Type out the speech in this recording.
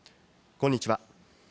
こんにちは。